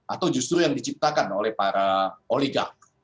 atau justru yang diciptakan oleh para oligar